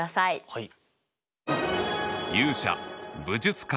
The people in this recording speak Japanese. はい。